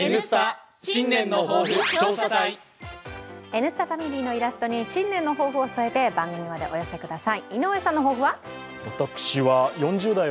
「Ｎスタ」ファミリーのイラストに新年の抱負を添えて番組までお寄せください。